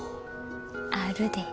あるで。